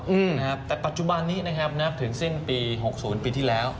อืมนะครับแต่ปัจจุบันนี้นะครับนับถึงสิ้นปีหกศูนย์ปีที่แล้ว